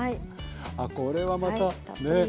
あっこれはまたねえ？